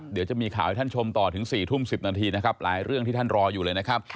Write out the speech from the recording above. เดี๋ยวจะมีข่าวให้ท่านชมต่อถึง๔ทุ่ม๑๐นาทีนะครับหลายเรื่องที่ท่านรออยู่เลยนะครับ